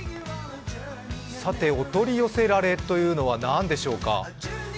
お取り寄せられというのは何でしょうか。